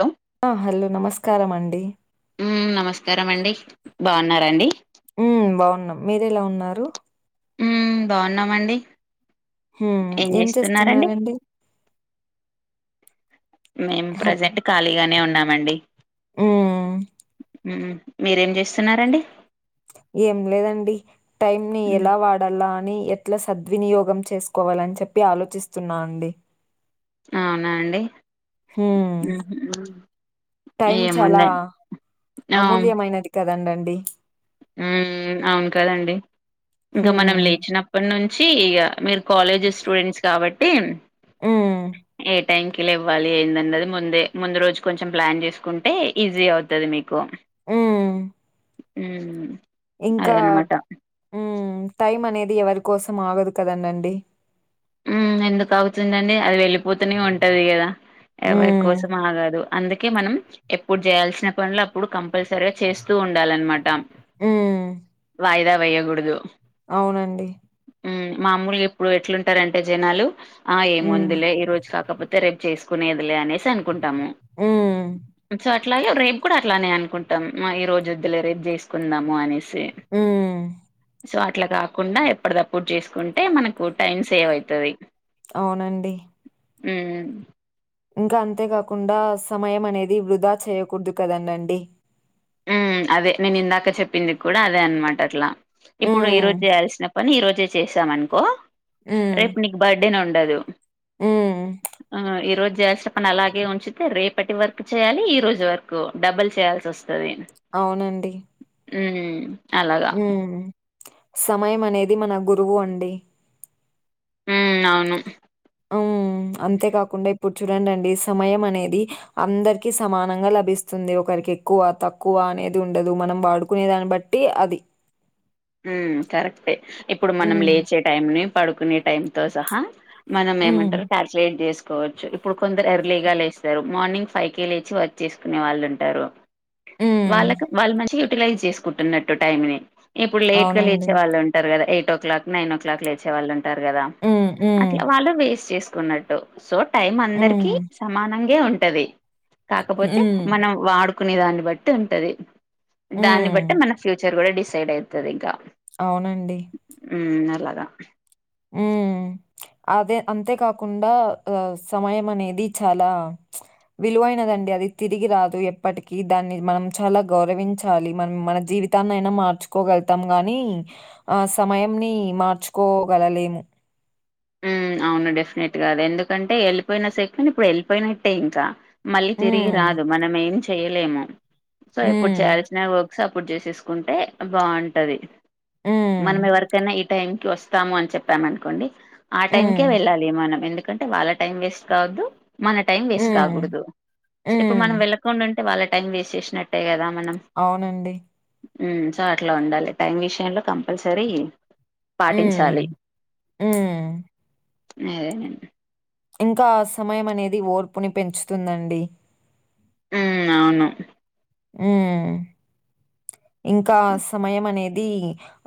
Hello ఆ! Hello! నమస్కారం అండి. ఉమ్ నమస్కారమండి బాన్నరా అండి ఉమ్ బాగున్నాం మీరేలా ఉన్నారు ఉమ్ బాగున్నామండి హుం ఏం చేస్తున్నారండి మేము ప్రజెంట్ ఖాళీగానే ఉన్నామండి ఉ ఉహ్మ్ మీరేం చేస్తున్నారండి ఏం లేదండి టైం ని మ్మ్ ఎలా వాడాలా అని ఎట్లా సద్ ద్వినియోగం చేసుకోవాలని చెప్పి ఆలోచిస్తున్నాండి అవునా అండి ఉహ్మ్ టైం చాలా అమూల్యమైనది కదండండి ఉ అవును కదండి ఇంకా హ్మ్. మనం లేచినప్పటి నుం చ్చి ఇగ మీరు కాలేజ్ స్టూడెంట్స్ కాబట్టి ఉ ఏ టైం కిలా లెవ్వాలి ఏందన్నది ముందే ముందు రోజు కొంచెం ప్లాన్ చేసుకుంటే ఈజీ అవుతది మీకు ఉ ఉమ్ ఇంకా ఉ టైమ్ అనేద్ ఎవరి కోసం ఆగదు కదండండి ఉమ్ ఎందుకువుతుందండి అది వెళ్లిిపోతనే ఉంటది కదా ఎవరి హ్మ్. కోసం ఆగాదు అందుకే మనం ఎప్పుడు చేయాల్సిన పనులు అప్పుడు కంపల్సరిగా చేస్తూ ఉండాలన్మాట ఉమ్ వాయిదా వేయ్యకూడదు అవునండి ఉమ్ మమ్ములు ఇప్పుడు ఎట్లుంటారంటే జనాలు ఆ హ్మ్. ఏముందిలే ఈ రోజు కాకపోతే రేప్ చేసుకునేదిలే అనేసి అనుకుంటాము హ్మ్. స అట్లాగే రేపు కూడా అట్లానే అనుకుంటాం ఈ రోజు వద్ద్ లే రేపు చేసుకుందాము అనేస్ హ్మ్. సో అట్లా కాకుండా ఎప్పదప్పుడు చేసుకుంటే మనకు టైమ్స్ సేవైతది అవునండి ఉమ్ ఇంకా అంతేకాకుండా సమయం అనేది వృధా చేయకూడ్ దు కదండండి ఉమ్ అదే నేనిందాక చెప్పింది కూడా అదే అన్ మాట అట్లా ఇప్పుడు ఈ హ్మ్. రోజ్ జేయాల్స్ నప్ పని ఈ రోజే చేసాంమానుకో హ్మ్. రేపు నీక్ బడ్డే నుండదు హ్మ్. ఆ ఈ రోజ్ జేయల్స్ పని అలాగే ఉంచితే రేపటి వర్క్ చేయాలి ఈ రోజు వర్కు డబుల్ చేయాల్స్ సోస్తది ఔనండి ఉమ్ ఉమ్ సమయం అనేది మన గురువు అండి ఉమ్ ఔను ఉమ్మ్ అంతేకాకుండే ఇప్పుడ్ చూడండండి సమయం అనేది అందర్కి సమానంగా లభిస్తుంది ఒకరి కేక్కువ తక్కువ అనేది ఉండదు మనం వాడుకునే దాన్ని బట్టి అది ఉమ్ కరెక్టే ఇప్పుడు మనం హ్మ్. లేచే టైమ్ నే పడుకునే టైమ్ తో సహా మనం హ్మ్. ఏమంటారు ప్యడ్ షెడ్ డేస్ కోవచ్చు ఇప్పుడు కొందరు ఎర్లీగా లేస్తరు మాన్నింగ్ ఫై కే లేచి వచ్ చేసుకునే వాళ్ళుంటరు హ్మ్. వాళ్ళకు వాళ్ మంచి యూటిలైజ్ జేస్స్ కుటున్నట్టు టైంని ఇప్పుడు లేట్ గా అవునండి. లేచే వాళ్ళుంటరు కద ఎయిటో క్లాక్ నైనో క్లాక్ లేచే వాళున్ టరు గద హ్మ్. హ్మ్. అట్ల వాళ్ళు వేస్ట్ చేసుకున్నట్టు సో టై అందర్కి హ్మ్. సమానంగ్ ఏ ఉంటది కాకపోతే హ్మ్. మనం వాడుకునే దాన్ని బట్టి ఉంటది దాన్ని హ్మ్. బట్టే మన ఫ్యూచర్ గూడా డిసైడైతది ఇగ ఔనండి ఆ ఆ ఇ అదే అంతేకాకుండా ఆ సమయం అనేది చాలా ప్చ్ విలువైనదండి అది తిరిగి రాదు ఎప్పటిక దాన్ని మనం చాలా గౌరవించాలి మన్ము మన జీ దీవితాన్ నైనా మార్చుకోగళ్తాం గాని ఆ సమయం ని మార్చుకో వాళలేము ఉమ్ ఔన్ డెఫినెట్ గా అదెందుకంటే ఏళ్ళిపేయిన సెకెన్ ఇప్పుడు ఏళ్ళిపేయినట్టే ఇంకా మళ్ళీ తిరిగి హ్మ్. రాదు మనమేం ఏం చెయ్ లేము సో ఇప్పుడు హ్మ్. చాల్ సిన ఒక్ సపోర్ట్ జేసేసుకుంటే బాఉంటది మనం హ్మ్. ఎవర్ కైనా ఈ టైం టు వోస్తాము అని చెప్పాంమనుకోండి ఆ టైంకే హ్మ్. వెళ్ళాలి మనం ఎందుక్ కంటే వాళ్ళ టైం వేస్ట్ కావద్దు మన టైం వేస్ట్ హ్మ్. కాకోడ్ దు సు ఇప్పుడు హ్మ్. మనం వెళ్ళకుండున్ తే వాళ్ళ టైం వెష్ జేస్ నాట్టే గదా ఔనండి ఉమ్ సో అట్లా ఉండాలే టైం విష్ యంలో కంపల్ సరీ ఉమ్ ఉమ్మ్ అదేనండ్ ఇంకా సమయం అనేది ఓర్పుని పెంచుతుందండి ఉమ్ ఔను హుమ్ ఇంకా సమయం అనేది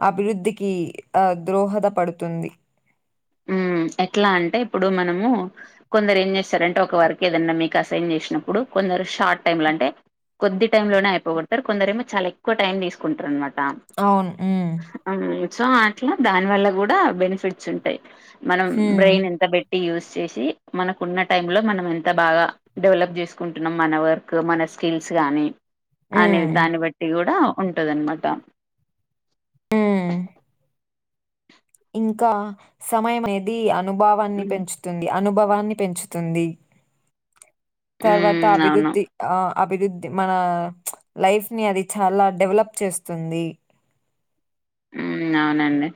అభిరుద్ధికి ఆ ద్రోహద పడుతుంది హ్మ్ ఎట్లా అంటే ఇప్పుడు మనము కొందరు ఏం జేస్తారంటే ఒక వర్క్ ఏదన్నా మీక్ అసైన్ చేష్ నప్పుడు కోద్ దరు షార్ట్ టైమ్ లో అంటే కొద్ది టై లోనే ఐపోగోడ్ తరు కొందరు ఏమో చాలా ఎక్కు టైం దీస్ కుంట్రూ అన్ మాట్ టా అవును. హ్మ్. ఆ సో అట్లా దాని వల్ల గూడా బెనిఫిట్స్ ఉంటాయ్ మనం హ్మ్. బ్రెయిన్ ఎంత పెట్టి యూస్ చేసి మనకున్న టైమ్లో మనం ఎంత బాగా డెవలప్ చేసుకుంటున్నాం మన వర్క్ మన స్కిల్స్ ని అనే హ్మ్. దాన్ని బట్టి కూడా ఉంటుందనమాట ఆ ఇంకా సమయం అనేది అనుభవాన్ని ఉమ్ పెంచుతుంది అనుభవం పెంచుతుంది తర్వాత అవును అభివృద్ధి ఆ అభివృద్ధి మన లైఫ్ ని అది చాలా డెవలప్ చేస్తుంది హ్మ్మ్ అవునండి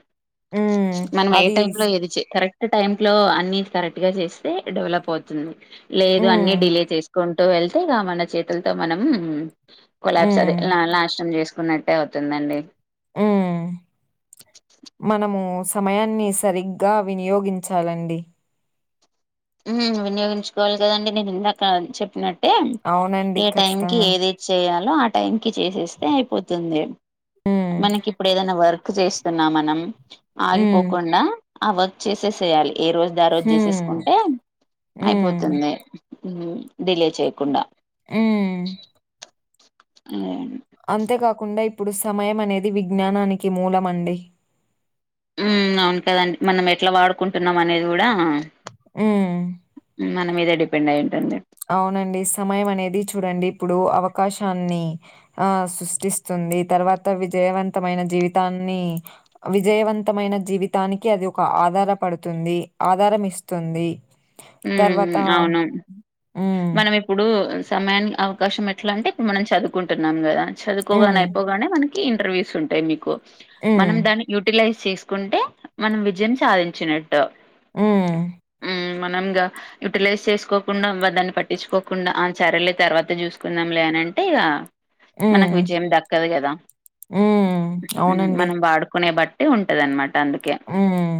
హ్మ్. మనం ఏ అది స్ టైలో ఏదిచే కరెక్ట్ టైమ్లో అన్ని కరెక్ట్గా చేసి టే డెవోల్ప్ అవుతుంది లేదు హ్మ్. అన్ని డిలే చేసుకు వెళ్తే రామన్న చేతులతో మనం కొలబ్స్ హ్మ్. అదే నాశనం చేస్ కున్నట్టే అవుతుందండి ఉమ్ మనము సమయాన్ని సరిగ్గా వినియోగించాలండి ఉ వినియోగించుకోవాలి కదండి నేనిందాక చెప్పినట్టు అంటే అవునండి. ఏ టైంకి ఖచ్చితంగా. ఏది చేయాలో ఆ టైంకి చేసేస్తే అయిపోతుంది హ్మ్. మనకి ఇప్పుడు ఏదైనా వర్క్ వర్క్ చేస్తున్నా మనం హ్మ్. ఆగిపోకుండా ఆ వర్క్ చేసేసేయాలి ఏ రోజుది ఆ రోజు చేసేసుకు హ్మ్. హ్మ్. అయిపోతుంది డిలే చేయ్యకుండా ఆమ్ అదేండి కాకుండా ఇప్పుడు సమయం అనేది విజ్ఞానానికి మూలంమండి అవును కదండి మనం ఎట్లా వాడుకుంటున్నాం అనేది కూడా ఆ హ్మ్. మన మీదే డిపెండ్అయి అవునండి సమయం అనేది చూడండి ఇప్పుడు అవ అవకాశాన్ని ఆ సృష్టిస్తుంది తర్వాత విజయవంతమైన జీవితాన్ని విజయవంతమైన జీవితానికి అది ఒక ఆధార పడుతుంది ఆధారం ఇస్తుంది ఉ అవును హ్మ్. మనం ఇప్పుడు సమయానికి అవకాశం ఎట్లా అంటే ఇప్పుడు మనం చదువుకుంటున్నాం కదా హ్మ్. చదువుకోగానే అయిపోగానే మనకి ఇర్వ్యూస్ ఉంటాయి మీకు హ్మ్. మనం దాని యూటీలైజ్ చేసుకుంటే మనం విజయం సాధించినట్టు హ్మ్. మనంగ యుటిలైజ్ చేసుకోకుండా దాన్ని పట్టించుకోకుండా ఆ చరలే తర్వాత చూసుకుందాం లేని అంటే ఇగ మనకు హ్మ్. విజయం దక్కదు కదా హ్మ్. అవునండి. మనం వాడుకునే బట్టి అంటే ఉంటదనమాట అందుకే హ్మ్.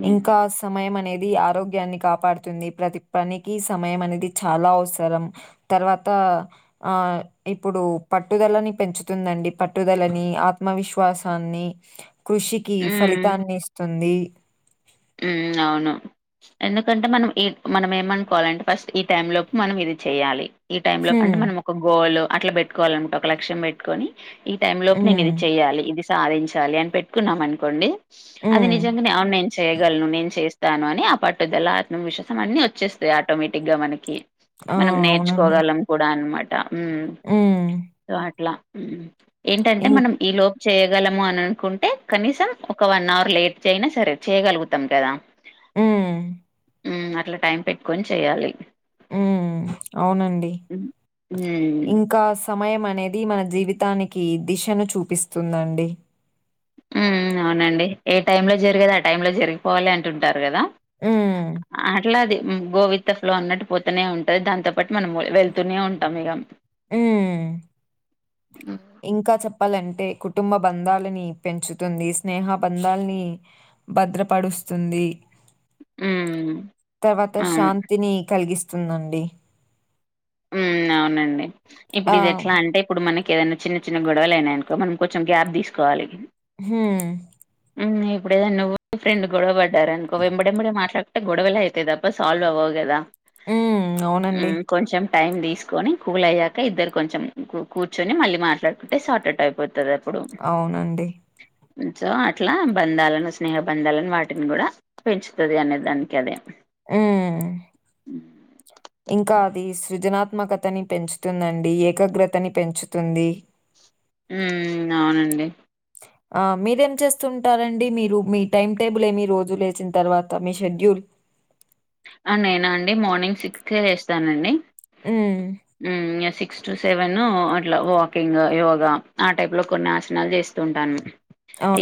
హ్మ్ ఇంకా సమయం అనేది ఆరోగ్యాన్ని కాపాడుతుంది ప్రతి పనికి సమయం అనేది చాలా అవసరం తర్వాత ఆ ఇప్పుడు పట్టుదలని పెంచుతుందండి పట్టుదలని ఆత్మవిశ్వాస సాని కృషికి ఫలితాన్ని ఇస్తుంది మ్ అవును ఎందుకంటే మనం ఈ మనం ఏమనుకోవాలంటే ఫస్ట్ ఈ టైలోపు మనం ఇది చేయాలి ఈ టైమ్లో అంటే హ్మ్. మనం ఒక గోల్ అట్లా పెట్టుకోవాలను ఒక లక్ష్యం పెట్టుకొని ఈ టైమ్లోకి నేను హ్మ్. ఇది చెయ్యాలి ఇది సాధించాలి అని పెట్టుకున్నాం అనుకోండి అది హ్మ్. నిజంగానే అనై చేయగలను నేను చేస్తాను అని ఆ పట్టుదల, ఆత్మవిశ్వాసం అన్ని వచ్చేస్తాయి ఆటోమేటిక్ గా మనకి ఆ! మనం అవునండి. నేర్చుకోగలం కూడా అనమాట మ్ హ్మ్. అట్లా మ్ ఏంటంటే ఇం మనం ఈ లోపు చేయ గలము అని అనుకుంటే కనీసం ఒక వన్ అవర్ లేట్ చేయనా సరే చేయగలుగుతాం కదా మ్ మ్ అట్లా టైం పెట్టుకొని చెయ్యాలి ఉ అవునండి హ్మ్ హ్మ్ ఇంకాస్ సమయం అనేది మన జీవితానికి దిశను చూపిస్తుందండి. మ్ అవునండి ఏ టైమ్ లో జరిగేది ఆ టైమ్ లో జరిగిపోవాలి అంటుంటారు కదా హ్మ్. అట్లాది మ్ గోవిత ఫ్లో అన్నట్టు పోతనే ఉంటది దాంతో పాటు మనం మ్ వెళ్తూనే ఉంటాం ఇగా మ్ హ్మ్. ఇంకా చెప్పాలంటే కుటుంబ బంధాలని పెంచుతుంది. స్నేహ బంధాలని భద్రపడుస్తుంది. హ్మ్. తర్వాత అవును. శాంతిని కలిగిస్తుందండి. ఉమ్ అవునండి ఇప్పుడు ఆ! ఇది ఎట్లా అంటే ఇప్పుడు మనకి ఇంకెదైనా చిన్న చిన్న గొడవలు అనాయనుకో మనం కొంచెం గ్యాప్ తీసుకోవాలి. హుమ్ మ్ ఇప్పుడుడెదైనా నువ్వు ఫ్రెండ్ గొడవపడ్డ అనుకో వెంబడెండి మాట్లాడుకుంటే గొడవలో అవుతాయీ తప్ప సాల్వ్ అవవు కదా హ్మ్. అవునండి. మ్ కొంచెం టైమ్ తీసుకొని కూల్ అయ్యాక ఇద్దరు కొంచెం కూర్చొని మళ్ళీ మాట్లాడుకుంటే షార్ట్ అవుట్ అయిపోది. అవునండి జో అట్లా బంధాలను, స్నేహ బంధాలను వాటిని కూడా పెంచుతుంది అనే దానికి అదే హ్మ్. ఇంకా అది సృజనాత్మకతని పెంచుతుందండి. ఏకాగ్రతని పెంచుతుంది. మ్ అవునండి ఆ మీరేం చేస్తుంటారండి మీరు మీ టైమ్ టేబుల్ ఏమి రోజు లేచిన తర్వాత మీ షెడ్యూల్ [inaudible] ఆ నేనా అండి మార్నింగ్ సిక్స్ లెస్తానండి హ్మ్. మ్ సిక్స్ సిక్స్ టు, సెవెన్ అట్లా వాకింగ్ యోగా ఆ టైప్ లో కొన్ని ఆసనాలు చేస్తూ ఉంటాను.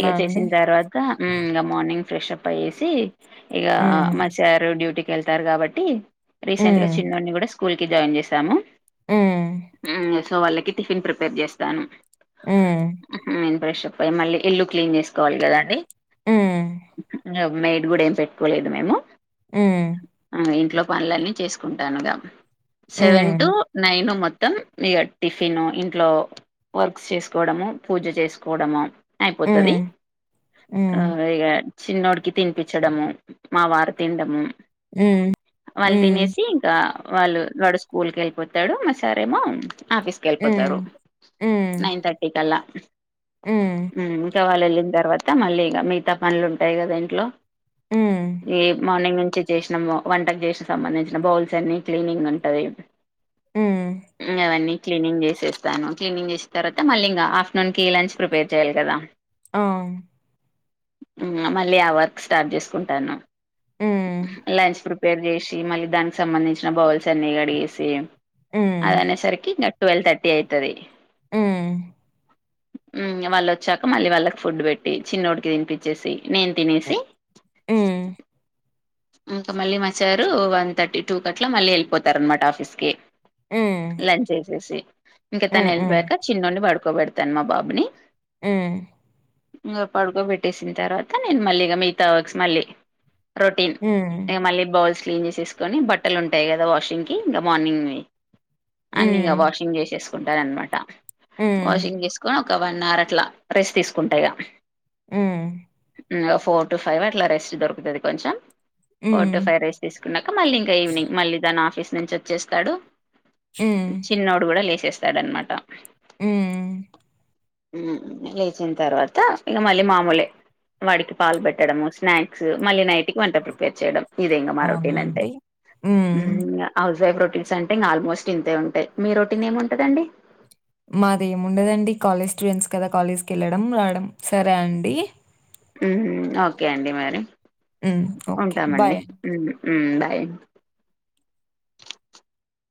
ఇగ అండి? చేసిన తర్వాతా మ్ ఇగ మార్నింగ్ ఫ్రెషాప్ అయ్యిసి ఇగ హ్మ్. మా సారు డ్యూటీకి వెళ్తారు కాబట్టి రీసెంట్ గా హ్మ్. చిన్నడిని కూడా స్కూల్ కి జాయిన్ చేసాము హ్మ్. మ్ సో వాళ్ళకి టిఫిన్ ప్రిపేర్ చేస్తాను. హ్మ్. నేను ఫ్రెషప్ అయి మళ్ళీ ఇల్లు క్లీన్ చేసుకోవాలి కదా అండి. మ్ నైట్ కూడా ఏం పెట్కోలేదు మేము మ్ ఆ ఇంట్లో పనులన్నీ చేసుకుంటానుగా సెవెన్ టు హ్మ్. నైన్ మొ త్తం ఇగ టిఫిన్ ఇంట్లో వర్క్ చేసుకోవడము, పూజ చేసుకోవడము. అయిపోతది హ్మ్. ఆ హ్మ్. ఇగ చిన్నోడికి తినిపించడము, మా వారు తినడము. హ్మ్. వాళ్ళు హ్మ్. తినేసి ఇంకా వాళ్ళు వాడు స్కూల్కి వెళ్ళిపోతాడు మా సారేమో ఆఫీస్కి హ్మ్. వెళ్పోతారు హ్మ్. నైన్ థర్టీ కల్లా హ్మ్. మ్ ఇంకా వాళ్ళు వెళ్ళి తర్వాత మళ్ళీ ఇగ మిగతా పనులు ఉంటాయి కదా ఇంట్లో హ్మ్. ఈ మార్నింగ్ ను చేసినాము వంటకు చేసిన సంబంధించిన బౌల్స్ అన్ని క్లీనింగ్ ఉంటది హ్మ్. ఇగ ఇవన్నీ క్లీనింగ్ చేసేస్తాను క్లీనింగ్ చేసిన తర్వాత మళ్ళీ ఇంకా ఆఫటర్నూన్ కి లంచ్ ప్రిపేర్ చేయాలి కదా ఆ ఆహా మళ్ళీ ఆ వర్క్ స్టార్ట్ చేసుకుంటాను. హ్మ్. లంచ్ ప్రిపేర్ చేసి మళ్ళీ దానికి సంబంధించిన బౌల్స్ అన్ని కడిగేసి హ్మ్. అది అనేసరికి ఇంకా ట్వెల్ థర్టీ అయితది. ఆ ఉమ్ వాళ్ళు వచ్చాక మళ్ళీ వాళ్ళకి ఫుడ్ పెట్టి చిన్నోడికి తినిపెచ్చేసి నేను తినేసి హ్మ్. ఇంకా మళ్ళీ మ సార్రు వన్ థర్టీ టూ క అట్లా మళ్ళీ వెళ్ళిపోతారు అనమాట ఆఫీస్ కి హ్మ్. లంచ్ చేసేసి ఇంకా తను హ్మ్. వెళ్ళిపోయాక చిన్నోడిని పడుకోబెడతాను మా బాబుని ఆ ఇంగ పడుకోబెట్టేసిన తర్వాత నేను మళ్ళీ మిగతా వర్క్స్ మళ్ళీ రొ హ్మ్. ఇంక మళ్ళీ బౌల్స్ క్లీన్ చేసేసుకొని బట్టలు ఉంటాయి కదా వాషింగ్కి ఇంకా మార్నింగ్ని అన్ని ఇగ హ్మ్. వాషింగ్ చేసేసుకుంటాను అనమాట హ్మ్. వాషింగ్ చేసుకొని ఒక వన్ అవర్ అట్లా రెస్ట్ తీసుకుంటాక ఇగ ఆ ఫోర్ టు ఫైవ్ అట్లా రెస్ట్ దొరుకుతది కొంచెం హ్మ్. ఫోర్ టూ హ్మ్. ఫైవ్ రెస్ట్ తీసుకున్నాక మళ్ళీ ఇంకా ఈవినింగ్ మళ్ళీ దాని ఆఫీస్ నుంచి వచ్చేస్తాడు. హ్మ్. చిన్నోడు కూడా లేసేస్తాడనమాట అ మ్ లేచిన తర్వాత ఇక మళ్ళీ మామూలే వాడికి పాలు పెట్టడం, స్నాక్స్ మళ్ళీ నైట్కి వంట ప్రపేర్ చేయడం ఇదే ఇంగా మా అవునా రొటీన్ అంటే అండి? హ్మ్. మ్ ఇంగ హౌస్ వైఫ్ రొ టీన్స్ అంటే ఇంకా ఆల్మోస్ట్ ఇంతే ఉంటాయి మీ రొటీన్ ఏముంటదండి? మాది ఏమిండదండి కాలేజ్ స్టూడెంట్స్ కదా కాలేజ్కి వెళ్ళడం, రావడం సరే అండి. ఉహు ఓకే అండి మరి హ్మ్. ఓకే. ఉంటామండి బాయ్. హ్మ్మ్ హ్మ్మ్ బాయ్ ఏ